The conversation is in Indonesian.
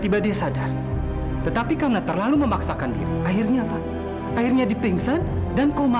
pada waktu fadil masih dalam keadaan koma